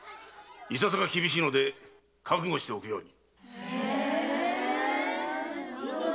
いささか厳しいので覚悟しておくように。